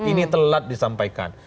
ini telat disampaikan